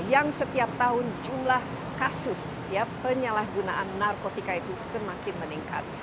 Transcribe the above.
yang setiap tahun jumlah kasus penyalahgunaan narkotika itu semakin meningkat